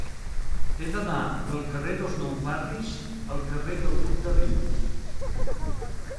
He d'anar del carrer dels Nou Barris al carrer del Duc de Rivas.